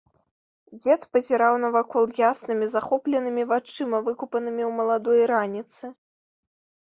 Дзед пазіраў навакол яснымі, захопленымі вачыма, выкупанымі ў маладой раніцы.